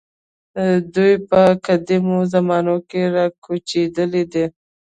دوی په قدیمو زمانو کې راکوچېدلي دي.